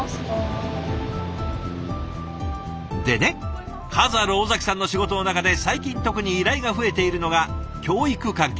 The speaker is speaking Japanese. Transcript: でね数ある尾崎さんの仕事の中で最近特に依頼が増えているのが教育関係。